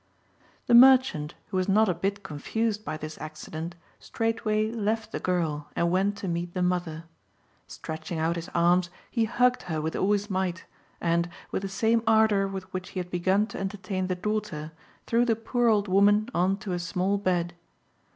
The merchant, who was not a bit confused by this accident, straightway left the girl and went to meet the mother. Stretching out his arms, he hugged her with all his might, and, with the same ardour with which he had begun to entertain the daughter, threw the poor old woman on to a small bed.